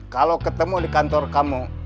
kalau ketemu di kantor kamu